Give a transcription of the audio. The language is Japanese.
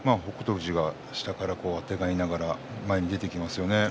富士は下からあてがいながら前に出ていきますよね。